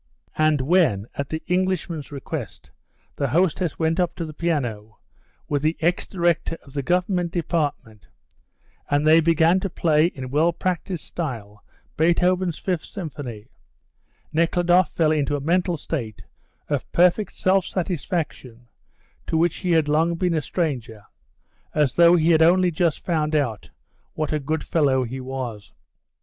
And when at the Englishman's request the hostess went up to the piano with the ex director of the Government department, and they began to play in well practised style Beethoven's fifth symphony, Nekhludoff fell into a mental state of perfect self satisfaction to which he had long been a stranger, as though he had only just found out what a good fellow he was.